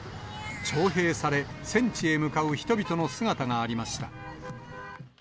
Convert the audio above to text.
徴兵され、戦地へ向かう人々の姿がありました。